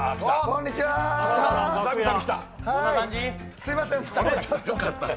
すみません。